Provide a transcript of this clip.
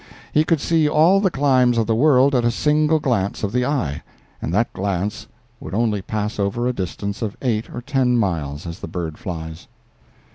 He could see all the climes of the world at a single glance of the eye, and that glance would only pass over a distance of eight or ten miles as the bird flies.